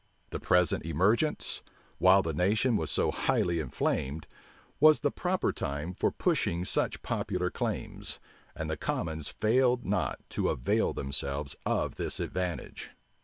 The present emergence, while the nation was so highly inflamed, was the proper time for pushing such popular claims; and the commons failed not to avail themselves of this advantage.